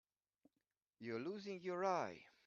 You're losing your eye.